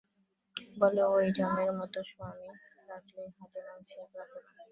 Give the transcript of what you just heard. -বলে ওই যমের মতো সোয়ামী, রাগলে হাড়ে মাসে এক রাখে না।